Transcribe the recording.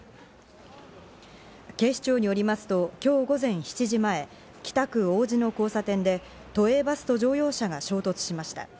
警視庁によりますと今日午前７時前、北区王子の交差点で都営バスと乗用車が衝突しました。